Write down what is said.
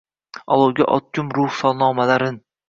olovga otgum ruh solnomalarin.